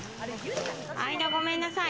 間、ごめんなさい。